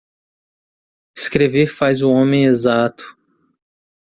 Escrever faz o homem exato